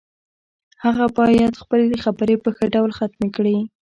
هغه باید خپلې خبرې په ښه ډول ختمې کړي